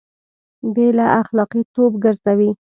بې له اخلاقي توب ګرځوي